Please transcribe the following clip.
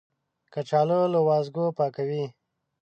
کچالو له وازګو پاکوي